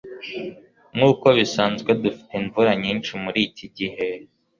Nkuko bisanzwe, dufite imvura nyinshi mu iki gihe.